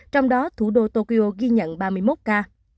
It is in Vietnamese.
trong đó thủ đô tokyo ghi nhận ba mươi một ca